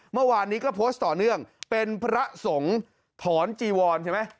เมื่อวานนี้ก็โพสต์ต่อเนื่องเป็นพระสงฆ์ถอนจีวรใช่ไหม